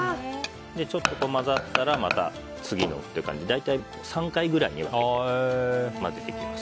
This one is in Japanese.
ちょっと混ざったらまた、次のという感じで大体３回くらいに分けて混ぜていきます。